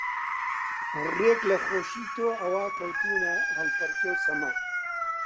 ڕێک لە خۆشی تۆ ئەوا کەوتوونە هەڵپەڕکێ و سەما